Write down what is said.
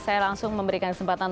saya langsung memberikan kesempatan